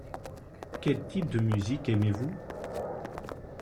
Quel type de musique aimez-vous ?